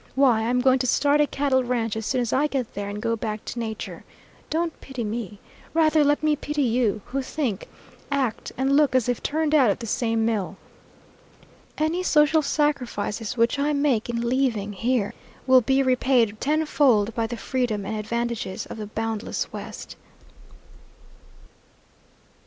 Why, I'm going to start a cattle ranch as soon as I get there and go back to nature. Don't pity me. Rather let me pity you, who think, act, and look as if turned out of the same mill. Any social sacrifices which I make in leaving here will be repaid tenfold by the freedom and advantages of the boundless West."